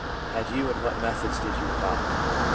had you, and what methods did you adopt?